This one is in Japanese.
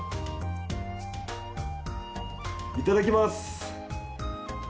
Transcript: いただきます！